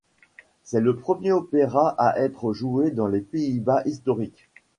C'est le premier opéra à être joué dans les Pays-Bas historiques.